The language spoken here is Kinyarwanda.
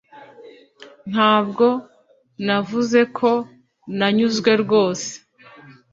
Ntabwo navuze ko nanyuzwe rwose